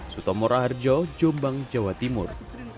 sutomora harjo jombang jawa timur